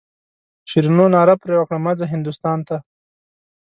شیرینو ناره پر وکړه مه ځه هندوستان ته.